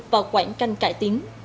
và quảng canh cải tiến